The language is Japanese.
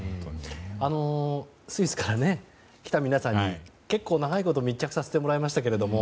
スイスから来た皆さんに結構、長いこと密着させてもらいましたけども。